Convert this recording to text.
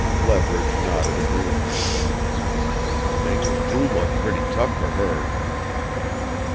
Leverage nodded agreement. "Things do look pretty tough for her."